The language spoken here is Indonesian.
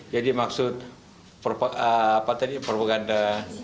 jadi maksud propaganda